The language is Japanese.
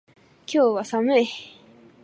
今日は寒い。